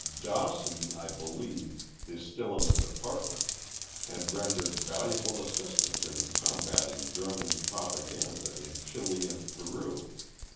Dawson, I believe, is still in the Department, and rendered valuable assistance in combating German propaganda in Chile and Peru.